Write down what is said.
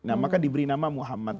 nah maka diberi nama muhammad